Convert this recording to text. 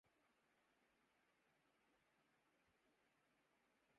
دھمکیوں کا سامنا رہا ہے